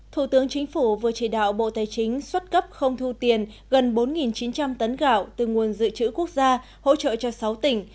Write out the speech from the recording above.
thủ tướng chính phủ vừa chỉ đạo bộ tài chính xuất cấp không thu tiền gần bốn chín trăm linh tấn gạo từ nguồn dự trữ quốc gia hỗ trợ cho sáu tỉnh